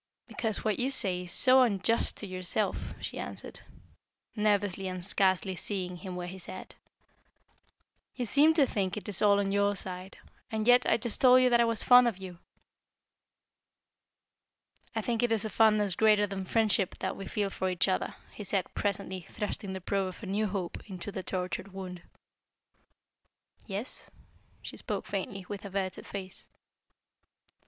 "Because what you say is so unjust to yourself," she answered, nervously and scarcely seeing him where he sat. "You seem to think it is all on your side. And yet, I just told you that I was fond of you." "I think it is a fondness greater than friendship that we feel for each other," he said, presently, thrusting the probe of a new hope into the tortured wound. "Yes?" she spoke faintly, with averted face.